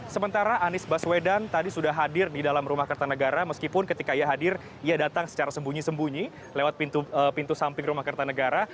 sementara anies baswedan tadi sudah hadir di dalam rumah kertanegara meskipun ketika ia hadir ia datang secara sembunyi sembunyi lewat pintu samping rumah kertanegara